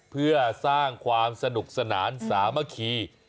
เพื่อสร้างความสนุกสนานสามัคคี